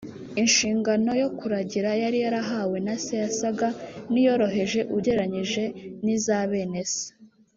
Inshingano yo kuragira yari yarahawe na se yasaga n'iyoroheje ugereranije n'iza bene se